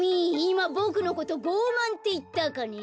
いまボクのことゴーマンっていったかね？